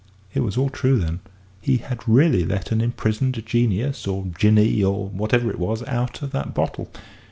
It was all true, then: he had really let an imprisoned Genius or Jinnee, or whatever it was, out of that bottle!